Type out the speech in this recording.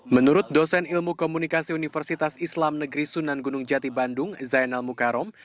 menurut dosen ilmu komunikasi universitas islam negeri sunan gunung jati bandung zainal mukarom